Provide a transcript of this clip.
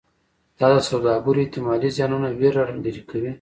دا د سوداګرو احتمالي زیانونو ویره لرې کوي.